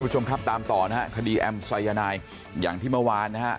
คุณผู้ชมครับตามต่อนะฮะคดีแอมสายนายอย่างที่เมื่อวานนะฮะ